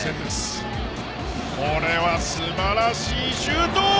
これは素晴らしいシュート。